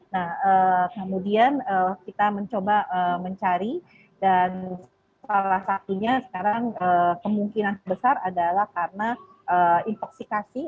nah kemudian kita mencoba mencari dan salah satunya sekarang kemungkinan sebesar adalah karena infoksikasi